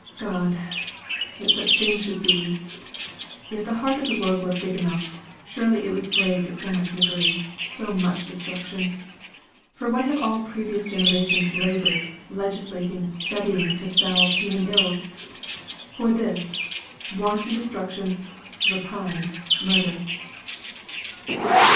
God! That such things should be! If the heart of the world were big enough, surely it would break at so much misery, so much destruction. For what have all previous generations laboured, legislating, studying to salve human ills? For this! Wanton destruction, rapine, murder.